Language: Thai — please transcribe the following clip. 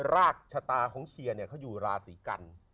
รากชะตาของเชียร์เนี่ยเขาอยู่ราศีกัน